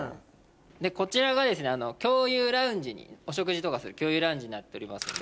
こちらが共有ラウンジにお食事とかする共有ラウンジになっておりますので。